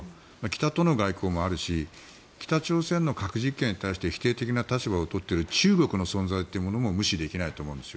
北朝鮮との外交もあるし北朝鮮の核実験に対して否定的な立場を取っている中国の存在というものも無視できないと思うんです。